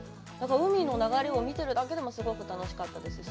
海の流れを見てるだけでも、すごく楽しかったですし。